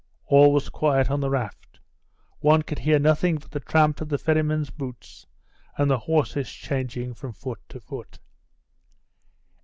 All was quiet on the raft; one could hear nothing but the tramp of the ferryman's boots and the horses changing from foot to foot.